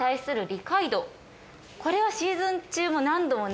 これはシーズン中も何度もね